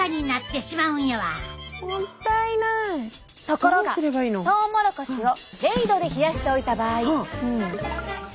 ところがトウモロコシを０度で冷やしておいた場合。